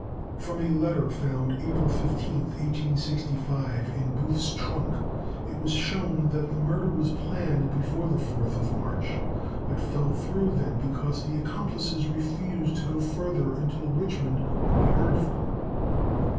From a letter found April 15th, 1865, in Booth's trunk, it was shown that the murder was planned before the 4th of March, but fell through then because the accomplices refused to go further until Richmond could be heard from.